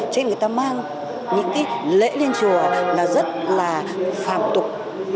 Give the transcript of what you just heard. cho nên người ta mang những cái lễ lên chùa là rất là phàm tục